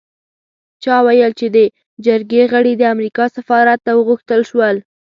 چا ویل چې د جرګې غړي د امریکا سفارت ته وغوښتل شول.